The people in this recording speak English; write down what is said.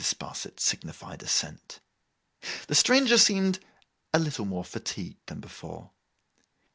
Sparsit signified assent. The stranger seemed a little more fatigued than before.